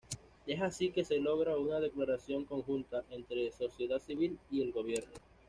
Es así que se logra una declaración conjunta entre sociedad civil y el gobierno.